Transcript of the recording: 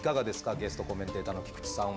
ゲストコメンテーターの菊地さんは。